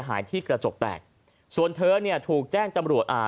หายที่กระจกแตกส่วนเธอเนี่ยถูกแจ้งตำรวจอ่า